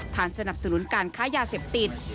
สนับสนุนการค้ายาเสพติด